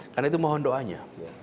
karena itu mohon doanya